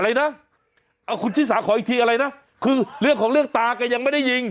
อะไรนะเอาคุณชิสาขออีกทีอะไรนะคือเรื่องของเรื่องตาแกยังไม่ได้ยิง